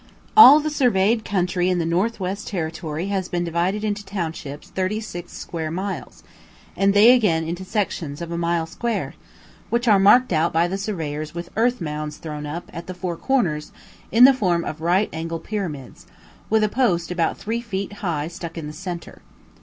All the surveyed country in the North west Territory has been divided into townships thirty six square miles, and they again into sections of a mile square, which are marked out by the surveyors with earth mounds thrown up (at the four corners) in the form of right angled pyramids, with a post about three feet high stuck in the centre.